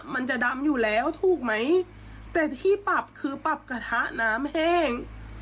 มันจะดำอยู่แล้วถูกไหมแต่ที่ปรับคือปรับกระทะน้ำแห้ง